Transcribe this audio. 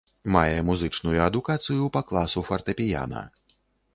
Мае музычную адукацыю па класу фартэпіяна.